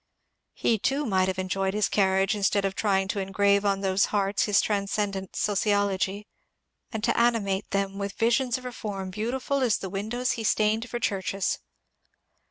He too might have enjoyed his carriage instead of trying to engrave on those hearts his transcendent sociology and to animate them with visions of reform beautiful as the windows he stained for churches.